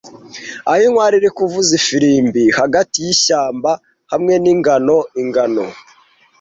Aho inkware iri kuvuza ifirimbi hagati yishyamba hamwe ningano-ingano,